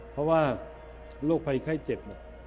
เพราะว่าโรคภัยไข้เจ็บ